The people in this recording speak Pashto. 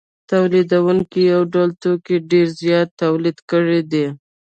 تولیدونکو یو ډول توکي ډېر زیات تولید کړي دي